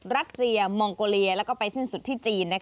รัสเซียมองโกเลียแล้วก็ไปสิ้นสุดที่จีน